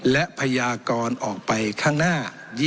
และพยากรออกไปข้างหน้า